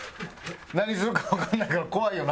何するかわからないから怖いよな？